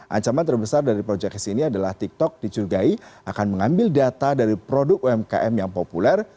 ancaman terbesar dari project ke sini adalah tiktok dicurigai akan mengambil data dari produk umkm yang populer